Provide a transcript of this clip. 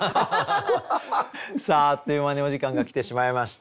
さああっという間にお時間が来てしまいました。